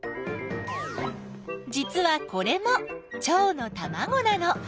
じつはこれもチョウのたまごなの。